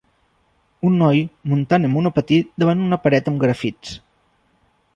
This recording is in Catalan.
Un noi muntant en monopatí davant una paret amb grafits